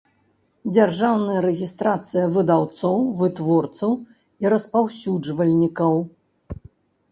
Дзяржаўная рэгiстрацыя выдаўцоў, вытворцаў i распаўсюджвальнiкаў